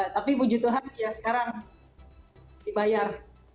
tapi puji tuhan ya sekarang dibayar